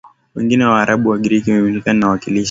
wengine ni Waarabu Wagiriki Waarmenia na wawakilishi